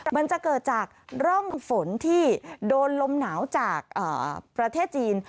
มันจะเกิดจากร่องฝนที่โดนลมหนาวจากประเทศจีน